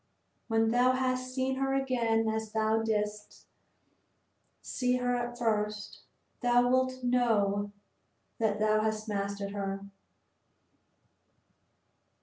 When thou hast seen her again as thou didst see her at first, thou wilt know that thou hast mastered her."